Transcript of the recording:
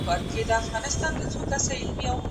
زه اوس سبزیحات خورم؟!